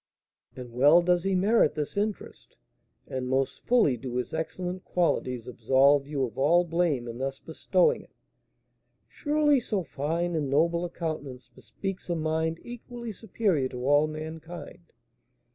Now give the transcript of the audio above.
"And well does he merit this interest, and most fully do his excellent qualities absolve you of all blame in thus bestowing it. Surely so fine and noble a countenance bespeaks a mind equally superior to all mankind.